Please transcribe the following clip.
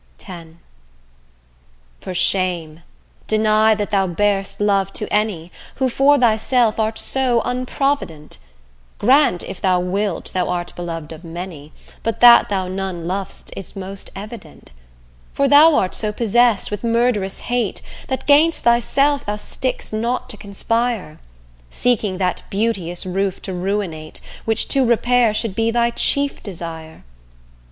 X For shame! deny that thou bear'st love to any, Who for thyself art so unprovident. Grant, if thou wilt, thou art belov'd of many, But that thou none lov'st is most evident: For thou art so possess'd with murderous hate, That 'gainst thyself thou stick'st not to conspire, Seeking that beauteous roof to ruinate Which to repair should be thy chief desire.